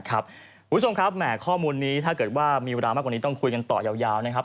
คุณผู้ชมครับแหม่ข้อมูลนี้ถ้าเกิดว่ามีเวลามากกว่านี้ต้องคุยกันต่อยาวนะครับ